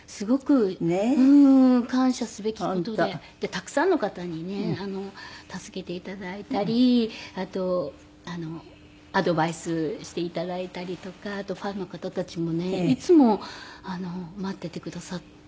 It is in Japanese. たくさんの方にね助けて頂いたりあとアドバイスして頂いたりとかあとファンの方たちもねいつも待っていてくださって。